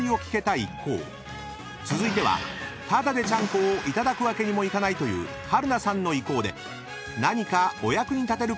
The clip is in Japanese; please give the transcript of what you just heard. ［続いてはただでちゃんこをいただくわけにもいかないという春菜さんの意向で何かお役に立てることをすることに］